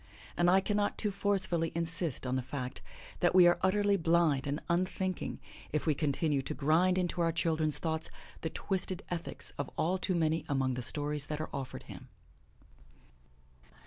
And I cannot too forcefully insist on the fact that we are utterly blind and unthinking if we continue to grind into our children's thoughts the twisted ethics of all too many among the stories that are offered him.